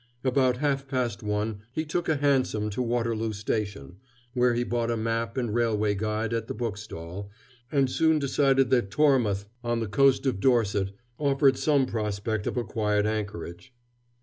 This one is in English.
About half past one he took a hansom to Waterloo Station, where he bought a map and railway guide at the bookstall, and soon decided that Tormouth on the coast of Dorset offered some prospect of a quiet anchorage.